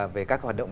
về các hoạt động